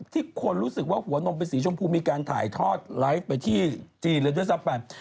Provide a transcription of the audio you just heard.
ที่คนรู้สึกว่าหัวนมเป็นสีชมพูมีการถ่ายทอดไลฟ์ไปที่จีนเลยด้วยซ้ำไป